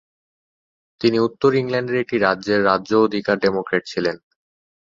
তিনি উত্তর ইংল্যান্ডের একটি রাজ্যের রাজ্য-অধিকার ডেমোক্র্যাট ছিলেন।